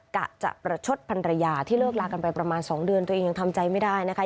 กะจะประชดพันรยาที่เลิกลากันไปประมาณ๒เดือนตัวเองยังทำใจไม่ได้นะคะ